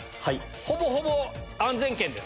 ほぼほぼ安全圏です。